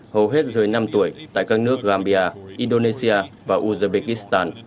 hầu hết dưới năm tuổi tại các nước gambia indonesia và uzbekistan